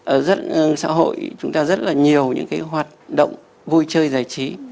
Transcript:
ở rất xã hội chúng ta rất là nhiều những cái hoạt động vui chơi giải trí